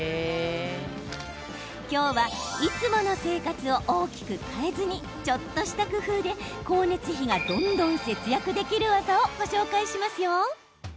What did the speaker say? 今日はいつもの生活を大きく変えずにちょっとした工夫で光熱費がどんどん節約できる技をご紹介しますよ。